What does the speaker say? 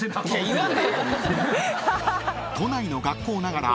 ［都内の学校ながら］